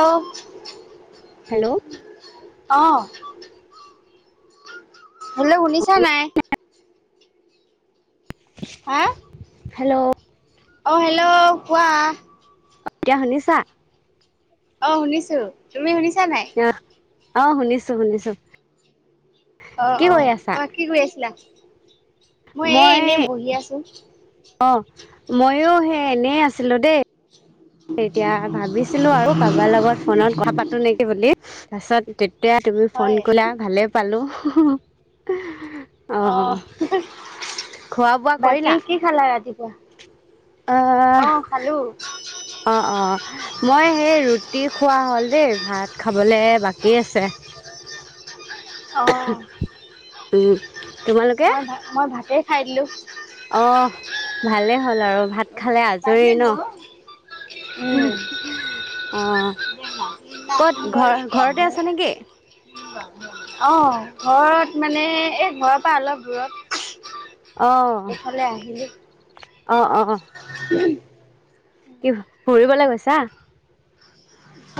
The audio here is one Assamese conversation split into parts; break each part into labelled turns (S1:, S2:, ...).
S1: আহ
S2: হেল্ল'
S1: আহ হেল্ল' শুনিছা নাই হা
S2: হেল্ল'
S1: অ হেল্ল' কোৱা
S2: এতিয়া শুনিছা
S1: অ শুনিছো তুমি শুনিছা নাই
S2: অ শুনিছো শুনিছো
S1: অ
S2: কি
S1: অ
S2: কৰি আছা
S1: মই কি কৰি আছিলা মই এ এনে বহি আছো
S2: অ মইো সেই এনে আছিলো দেই তেতিয়া ভাবিছিলো আৰু কাৰোবাৰ লগত ফোনত কথা পাতো নেকি বুলি তাৰ পিছত তেতিয়া তুমি ফোন
S1: হয়
S2: কৰিলা ভালে পালো
S1: অ
S2: খোৱা বোৱা
S1: বাকী
S2: কৰিলা
S1: কি খালা
S2: আহ
S1: ৰাতিপুৱা অ খালো
S2: অ অ মই সেই ৰুটি খোৱা হ'ল দেই ভাত খাবলে বাকী আছে
S1: অ
S2: উম তোমালোকে
S1: মই ভা মই ভতেই খাই দিলো
S2: অ ভালেই হ'ল আৰু ভাত খালে আজৰি ন
S1: উম
S2: অ ক'ত ঘৰ ঘৰতে আছ নেকি
S1: অ ঘৰত মানে এই ঘৰৰ পৰা অলপ দূৰত
S2: আহ
S1: এইফালে
S2: অ অ
S1: উম
S2: কি ফুৰিবলৈ গৈছা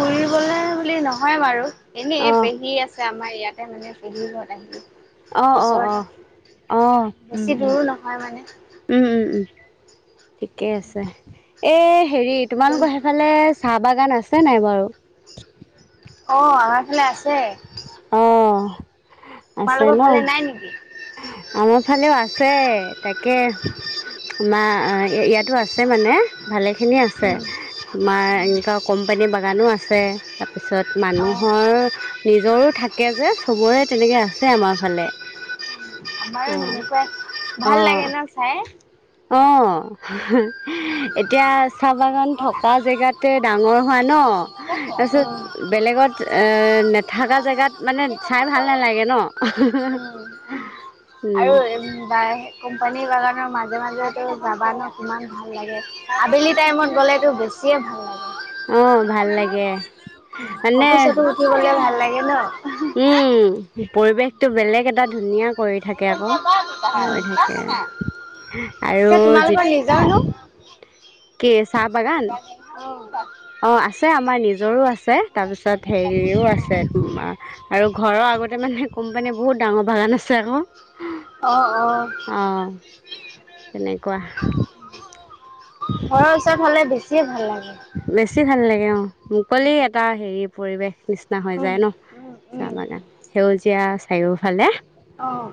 S1: পঢ়িবলে বুলি নহয় বাৰু এনে
S2: অ',
S1: পেহী আছে আমাৰ ইয়াতে মানে পেহী ঘৰত আহি
S2: অ', অ',
S1: ওচৰতে
S2: অ', অ',
S1: বেছি দূৰো নহয় মানে
S2: উম উম উম ঠিকে আছে এ হেৰি তোমালোকৰ ইফালে চাহ বাগান আছে নাই বাৰু
S1: অ আমাৰ ফালে আছে
S2: অ আছে
S1: তোমালোকৰ
S2: ন
S1: ফালে নাই নেকি?
S2: আমাৰ ফালেও আছে তাকে। মা ইয়াতো আছে মানে ভালে। স খিনি আছে
S1: উম
S2: তোমাৰ এনেকুৱা কোম্পানীৰ বাগানো আছে। তাৰপিছত
S1: অ
S2: মানুহৰ নিজৰো থাকে যে চবৰে তেনেকে আছে আমাৰ ফালে।
S1: আমাৰো
S2: অ',
S1: এনেকুৱা ভাল লাগে
S2: অ',
S1: ন চাই।
S2: অ'। এতিয়া চাহ বাগান
S1: উম
S2: থকা জেগাতে ডাঙৰ হোৱা ন তাৰপিছত
S1: উম
S2: বেলেগত এ নেথকা জেগাত।
S1: উম
S2: মানে চাই ভাল নালাগে ন? উম,
S1: আৰু কোম্পানী বাগানৰ মাজে, মাজে যাবানে কিমান। ভ লাগে আবেলি টাইমত গ'লেতো বেছিয়ে ভাল লাগে।
S2: অ, ভাল লাগে মানে।
S1: সা ভাল লাগে ন।
S2: উম, পৰিৱেশটো বেলেগ এটা ধুনীয়া কৰি থাকে। আকৌ হৈ থাকে
S1: পিছে
S2: আৰু।
S1: জানো।
S2: কে চাহ বাগান
S1: উম।
S2: অ, আছে, আমাৰ নিজৰো আছে, তাৰপিছত হেৰিও আছে। আৰু ঘৰৰ আগতে মানে কোম্পানীৰ বহুত ডাঙৰ বাগান আছে আকৌ।
S1: অ', অ',
S2: আহ, তেনেকুৱা।
S1: ঘৰৰ ওচৰত হ'লে বেছিয়ে ভাল লাগে।
S2: বেছি ভাল লাগে অ, মুকলি এটা হেৰি পৰিৱেশ নিয় ন হৈ
S1: উম,
S2: যায় ন
S1: উম,
S2: চাহ
S1: উম,
S2: বাগান সেউজীয়া চাৰিওফালে।
S1: অ',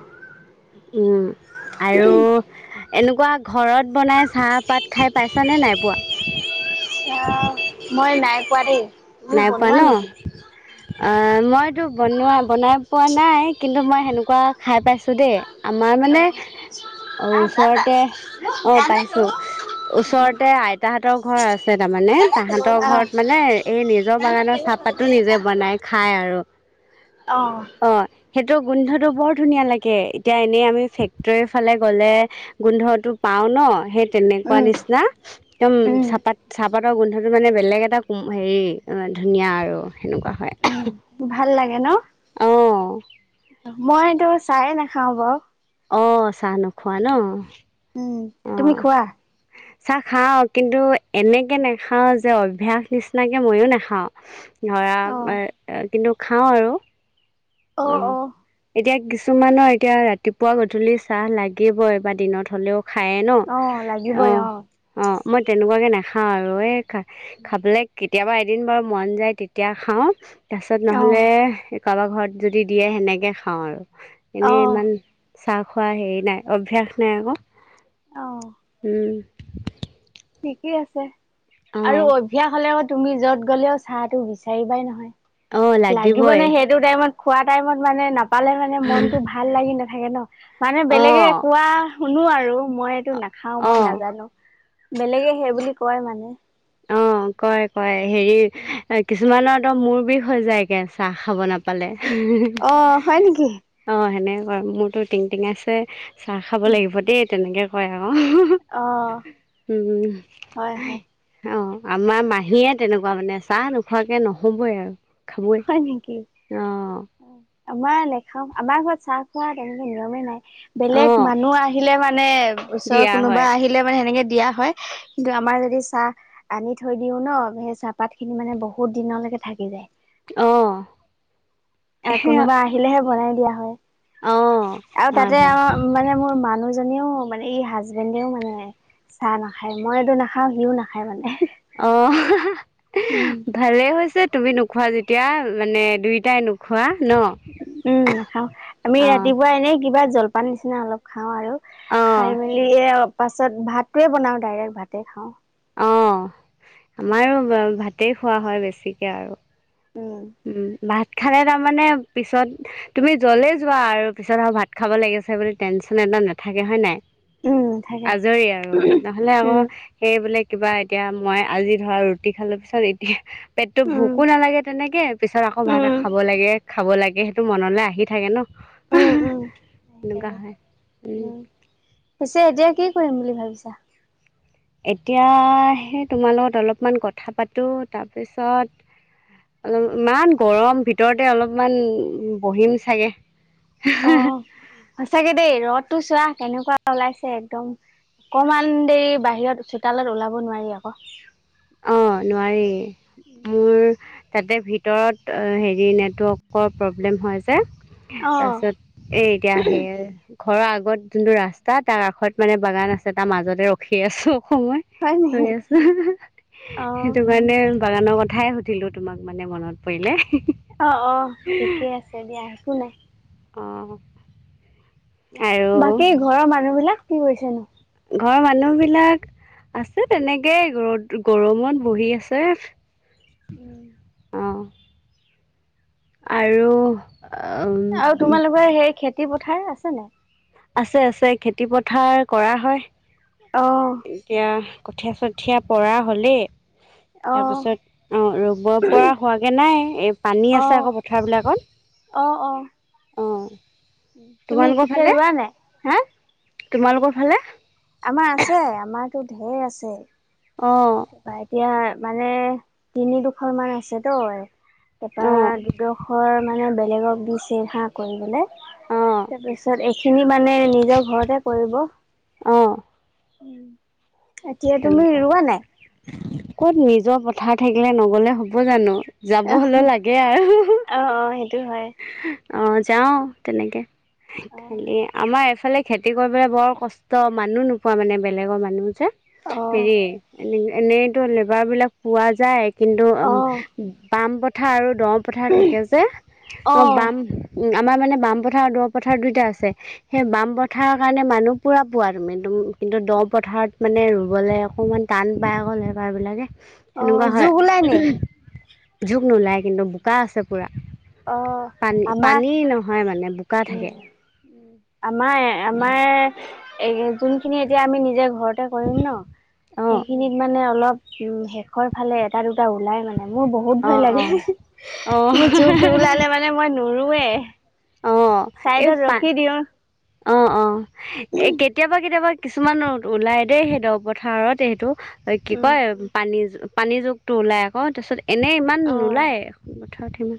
S2: উম, আৰু এনেকুৱা ঘৰত বনাই চাহপাত খাই পাইছ নে নাই পোৱা।
S1: অ, মই নাই পোৱাৰী
S2: নাই পোৱা ন। অ, মইতো বনোৱা বনাই পোৱা নাই কিন্তু মই সেনেকুৱা খাই পাইছো। দেই আমাৰ মানে
S1: অ',
S2: অ, ওচৰতে অ, পাইছো ওচতে। এ, আইতাহতৰ ঘৰ আছে তাৰমানে তাহাঁতৰ ঘৰত মানে এই নিজৰ বাগানৰ চাহপাতো নিজে বনাই খাই আৰু।
S1: অ'।
S2: অ, সেইটো গোন্ধটো বৰ ধুনীয়া লাগে এতিয়া এনেই আমি ফেক্টৰীৰ ফালে গ'লে গোন্ধতটো পাও ন সেই তেনেকুৱা নিচিনা। একদম
S1: উম, উম,
S2: চাহপাত চাহপাতৰ গোন্ধটো মানে বেলেগ এটা হেৰি ধুনীয়া আৰু সেনেকুৱা হয়।
S1: উম, ভাল লাগে ন।
S2: অ'।
S1: মই এইটো চায়ে নাখাও বাৰু।
S2: অ, চাহ নোখোৱা ন।
S1: উম, তুমি খোৱা?
S2: চা খাওঁ কিন্তু এনেকৈ নাখাওঁ যে অভ্যাস নিচিনাকৈ ময়ো নাখাওঁ। ধৰা
S1: অ'।
S2: কিন্তু খাওঁ আৰু অ'। এতিয়া কিছুমানৰ এতিয়া ৰাতিপুৱা গধূলি চাহ লাগিবই বা দিনত হলেও খায়ে ন
S1: অ লাগিবই
S2: অ', অ', ' মই তেনেকুৱাকে নাখাও আৰু এ খা খাবলৈ কেতিয়াবা এদিন বাৰু মন যায় তেতিয়া খাওঁ। তাৰপিছত
S1: অ
S2: নহলে কাৰোবাৰ ঘৰত যদি দিয়ে সেনেকে খাওঁ আৰু
S1: অ
S2: এনেই ইমান চাহ খোৱা হেৰি নাই অভ্যাস নাই আকৌ
S1: অ'।
S2: উম।
S1: ঠিকেই আছে আৰু
S2: অঁ
S1: অ এখয়া হলেও তুমি যত গলেও চাহটো বিচাৰিবাই
S2: অঁ
S1: নহয়
S2: লাগিবই
S1: লাগিবনে সেই সটো টাইমত খোৱা টাইমত মানে নাপালে মানে মনতটো ভাল লাগি নাথাকে ন! মানে বেলেগে
S2: অঁ
S1: কোৱা শুনো আৰু মই এইটো নাখাও মই
S2: অঁ
S1: নাজানো। বেলেগে সেই বুলি কয় মানে।
S2: অঁ কয় কয় হেৰি কিছুমানত এক মোৰ বিষ হৈ যায় কে চাহ খাব নাপালে।
S1: অ হয় নেকি
S2: অ' সেনেকে কয় মোৰতো টিং টিঙ আছে চাহ খাব লাগিব দেই তেনেকে কয় আৰু
S1: অ
S2: উম',
S1: হয় হয়
S2: অ' আমাৰ মাহীয়ে তেনেকুৱা মানে চাহ নোখোৱাকে নহবই আৰু খাবই
S1: হয় নেকি
S2: অঁ
S1: আমাৰ নেখাও আমাৰ ঘৰত চাহ খোৱা তেনেকে নিয়মে নাই। বেলেগ
S2: অঁ
S1: মানুহ আহিলে মানে ওচৰৰ
S2: দিয়া
S1: কোনোবা
S2: হয়
S1: আহিলে মানে সেনেকে দিয়া হয় কিন্তু আমাৰ যদি চাহ আনি থৈ দিও ন সেই চাহপাত খিনি মানে বহুত দিনলৈকে থাকি যায়।
S2: অঁ
S1: অ [unintelligible]
S2: সেয়া
S1: কোনোবা আহিলেহে বনাই দিয়া হয়
S2: অঁ
S1: আৰু
S2: হয়
S1: তাতে
S2: হয়
S1: অ' মানে মোৰ মানুহজননেও মানে ই হাজবেণ্ডেও মানে চাহ নাখায় মই এইটো নাখাওঁ সিও নাখায় মানে
S2: অ',
S1: উম',
S2: ভালেই হৈছে তুমি নোখোৱা যেতিয়া মানে দুইোটাই নোখোৱা ন।
S1: উম নাখাও আমি
S2: অঁ
S1: ৰাতিপুৱা এনেই কিবা জলপান নিচিনা অলপ খাওঁ আৰু
S2: অঁ
S1: খাই মেলি পাছত ভাতোৱে বনাওঁ ডাইৰেক্ট ভাতে খাওঁ।
S2: অ'
S1: উম
S2: আমাৰো ভাতেই খোৱা হয় বেছিকে আৰু
S1: উম',
S2: উম ভাত খালে তাৰমানে পিছত তুমি জ্বলেই যোৱা আৰু পিছত আৰু ভাত খাব লাগিছে বুলি টেনশচন এদটা নাথাকে হয় নে নাই।
S1: উম থাকে
S2: আজৰি আৰু নহ'লে আকৌ
S1: উম
S2: সেই বোলে কিবা এতিয়া মই আজি ধৰা ৰুটি খালো পিছত এতিয়া পেটতটো
S1: উম
S2: ভোকো নালাগে তেনেকে পিছত আকৌ ভাত
S1: উম
S2: খাব লাগে খাব লাগে সেইটো মনলৈ আহি থাকে ন।
S1: উম', উম
S2: এনেকুৱা হয় উম
S1: ' পিছে এতিয়া কি কৰিম বুলি ভাবিছা?
S2: এতিয়াহে তোমাৰ লগত অলপমান কথা পাতোঁ তাৰপিছত অলপ ইমান গৰম ভিতৰতে অলপমান বহীম চাগে
S1: অ সঁচাকে দেই ৰদতটো চোৱা কেনেকুৱা ওলাইছে একদম অকমান দেৰি বাহিৰত চোতালত ওলাব নোৱাৰি আকৌ
S2: অ নোৱাৰি মোৰ তাতে ভিত ভিতৰত হেৰি নেটৱৰ্কৰ প্ৰব্লেম হয় যে
S1: অ
S2: তাৰপিছত এ এতিয়া আহে আৰু ঘৰৰ আগত যোনটো ৰাস্তা তাৰ কাষত মানে বাগান আছে তাৰ মাজতে ৰখি আছো সময়
S1: হয় নেকি
S2: গৈ আছো
S1: অ
S2: সেইটো মানে বাগানৰ কথাই সুধিলো তোমাক মানে মনত পৰিলে
S1: অ অ ঠিকে আছে দিয়া একো নাই
S2: অহ আৰু
S1: বাকী ঘৰৰ মানুহ বিলাক কি কৰিছে নো
S2: ঘৰৰ মানুহবিলাক আছে তেনেকে ৰদ গৰমত বহি আছে
S1: উম
S2: অঁ আৰু
S1: আৰু তোমালোকৰ সেই খেতি পথাৰ আছে নাই?
S2: আছে আছে, খেতি পথাৰ কৰা হয়।
S1: অ
S2: এতিয়া কঠীয়া চঠীয়া পৰা হ'লেই।
S1: অ
S2: তাৰপিছত অ' ৰ'বপৰা হোৱাগৈ নাই, এই পানী
S1: অ
S2: আছে আকৌ পথাৰবিলাকত।
S1: অ', অ'।
S2: অ'
S1: তুমি পিছে
S2: তোমালোকৰফালে?
S1: ৰোৱা নাই? হা
S2: তোমালোকৰফালে?
S1: আমাৰ আছে, আমাৰতো ঢেৰ আছে।
S2: অ'।
S1: ত' এতিয়া মানে তিনি, দুখনমান আছে তো আৰু। তাৰপা
S2: অ'
S1: দুদশৰ মানে বেলেগক দিছে হা, কৰিবলে।
S2: অ'
S1: তাৰপিছত এইখিনি মানে নিজৰ ঘৰতে কৰিব।
S2: অ'
S1: এতিয়া তুমি
S2: তেনেকুৱা
S1: ৰোৱা নাই?
S2: ক'ত নিজৰ পথাৰ থাকিলে নগ'লে হ'ব জানো, যাব হ'লেও লাগে আৰু।
S1: অ', অ' সেইটোও হয়।
S2: অ' যাওঁ তেনেকে
S1: অ',
S2: খালি আমাৰ এফালে খেতি কৰিবলৈ বৰ কষ্ট, মানুহ নোপোৱা মানে বেলেগৰ মানুহ যে
S1: অ',
S2: হেৰি এনে এনেইতো লেবাৰবিলাক পোৱা যায় কিন্তু বাম পথাৰ আৰু দ পথাৰ থাকে যে অ' বাম আমাৰ মানে বামপথাৰ আৰু দ পথাৰ দুইটা আছে। সেই বামপথাৰৰ কাৰণে মানুহ পুৰা পোৱা তুমি একদম কিন্তু দ পথাৰত মানে ৰুবলৈ অকণমান টান পাই গ'ল লেবাৰবিলাকে। সেনেকুৱা
S1: অ',
S2: হয়,
S1: জোক ওলাই নি?
S2: জোক নোলায় কিন্তু বোকা আছে পুৰা।
S1: অ' আ
S2: পানী নহয় মানে বোকা থাকে।
S1: আমাৰ আমাৰ এ যোনখিনি এতিয়া আমি নিজে ঘৰতে কৰিম ন'
S2: অঁ
S1: সেইখিনিত মানে অলপ উম, শেষৰ ফালে এটা দুটা ওলাই মানে মোৰ বহুত ভয়
S2: অঁ
S1: লাগে
S2: অঁ
S1: মোৰ যে
S2: অঁ
S1: মানে মই নোৰোৱে, চাইডত ৰখি দিওঁ।
S2: অ', অ' এ, কেতিয়াবা কেতিয়াবা কিছুমান ওলাই দেই সেই দ পথাৰত এইটো। অ' কি
S1: উম।
S2: কয় পানী পানীৰ জুকটো ওলায় আকৌ তাৰপিছত এনেই ইমান
S1: অ',
S2: নোলায় পথাৰত সিমান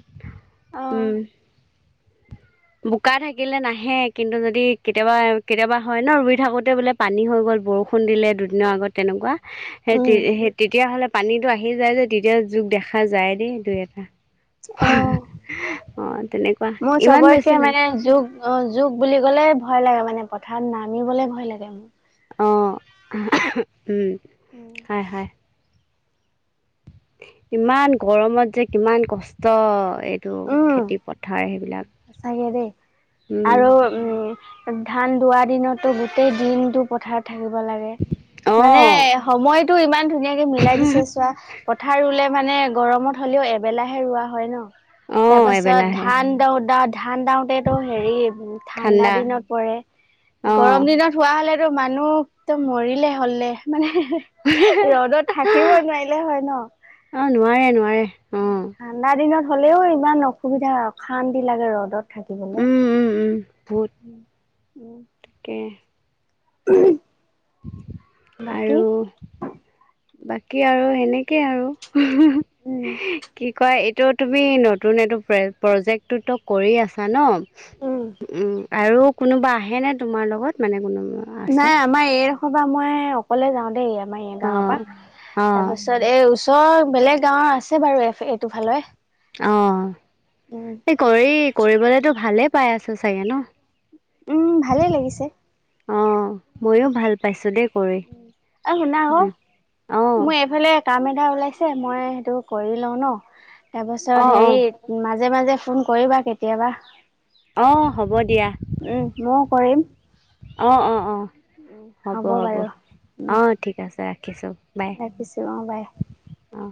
S2: উম।
S1: অ',
S2: বোকা থাকিলে নাহে কিন্তু যদি কেতিয়াবা কেতিয়াবা হয় ন' ৰুই থাকোতে বোলে পানী হৈ গ'ল, বৰষুণ দিলে দুদিনৰ আগত, তেনেকুৱা
S1: উম,
S2: সেই তেতিয়াহ'লে পানীতো আহি যায় যে, তেতিয়া জোক দেখা যায় দেই দুই এটা।
S1: অ'।
S2: অঁ তেনেকুৱা
S1: মোৰ
S2: ইমান বেছি
S1: চবতকে
S2: নাই
S1: মানে জোক অ' জোক বুলি ক'লে ভয় লাগে মানে পথাৰত নামিবলে ভয় লাগে মোৰ।
S2: অ'। উম। হয়, হয়। ইমান গৰমত যে, কিমান কষ্ট টো
S1: উম,
S2: খেতি পথাৰ সেইবিলাক
S1: সঁচাকে দেই। আৰু উম, ধান দোৱা দিনতো গোটেই দিনতটো পথাৰত থাকিব লাগে। মানে
S2: অঁ
S1: সময়টো ইমান ধুনীয়াকে মিলাই দিছে চোৱা, পথাৰ ৰুলে মানে গৰমত হ'লেও এবেলাহে ৰোৱা হয় ন'।
S2: অঁ
S1: তাৰপাছত,
S2: এবেলাহে
S1: ধান দওঁ দা ধান দাওতেটো হেৰি ঠাণ্ডা দিনত পৰে।
S2: অঁ
S1: গৰম দিনত হোৱা হ'লেতো মানুহ একদম মৰিলে হ'লে। মানে ৰ'দত থাকিব নোৱাৰিলে হয় ন'।
S2: অঁ নোৱাৰে নোৱাৰে অঁ
S1: ঠাণ্ডা দিনত হ'লেও ইমান অসুবিধা, অশান্তি লাগে ৰ'দত। থাকিবলে।
S2: উম উম উম বহুত
S1: উ, উ
S2: তাকে।
S1: [unintelligible] বাকী?
S2: আৰু বাকী আৰু সেনেকেই আৰু [unintelligible]
S1: উম
S2: কি কয় ত তুমি নতুন এইটো প্ৰ-প্ৰজেক্টটোতো কৰি আছা ন।
S1: উম,
S2: উম আৰু কোনোবা আহেনে তোমাৰ লগত, মানে কোনোবা? আছে
S1: নাই, আমাৰ এইডোখৰ পৰা মই অকলে যাওঁ দেই, আমাৰ এই
S2: অ
S1: গাঁৱৰ পৰা। তাৰ
S2: অ
S1: পিছত তাৰপিছত, এই ওচৰৰ বেলেগ গাঁওৰ আছে বাৰু, এইটো ফালৰে
S2: অ',। এই কৰি, কৰিবলেতো ভালেই পাই আছো চাগে ন?
S1: উম। ভালে লাগিছে।
S2: অ',। ময়ো ভাল পাইছো দেই কৰি
S1: অই, শুনা আকৌ
S2: উম অ
S1: মই এফালে কাম এটা ওলাইছে, মই সেইটো কৰি লওঁ ন। তাৰপাছত,
S2: অ অ
S1: হেৰি মাজে-মাজে ফোন কৰিবা, কেতিয়াবা।
S2: অ',। হ'ব দিয়া।
S1: উম, ময়ো কৰিম।
S2: অ', -অ ', - অ',। হ'ব, হ'ব
S1: উম,
S2: অঁ ঠিক আছে। ৰাখিছোঁ, বাই।
S1: ৰাখিছোঁ অ' বাই।
S2: অ